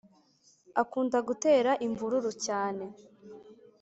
akunda gutera imvururu cyane